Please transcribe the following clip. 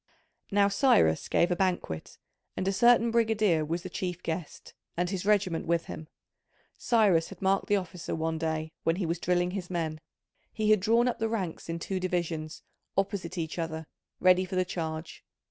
Now Cyrus gave a banquet and a certain brigadier was the chief guest, and his regiment with him. Cyrus had marked the officer one day when he was drilling his men; he had drawn up the ranks in two divisions, opposite each other, ready for the charge.